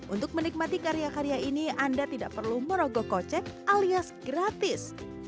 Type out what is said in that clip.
untuk menikmati karya karya ini anda tidak perlu merogoh kocek alias gratis